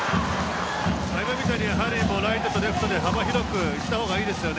今のようにライトとレフトで幅広く行った方がいいですね。